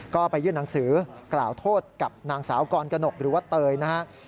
ก็ไปยื่นหนังสือกล่าวโทษกับนางสาวกรกนกหรือว่าเตยนะครับ